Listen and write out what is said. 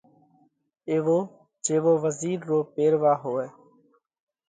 ايوو جيوو وزِير رو پيروا هوئه۔